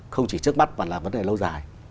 không chỉ trước mắt và là vấn đề lâu dài